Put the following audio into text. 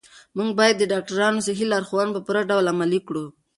موږ باید د ډاکترانو صحي لارښوونې په پوره ډول عملي کړو.